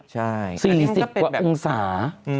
ใช่อันนี้มันก็เป็นแบบ๔๐กว่าองศา